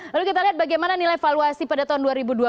lalu kita lihat bagaimana nilai valuasi pada tahun dua ribu dua puluh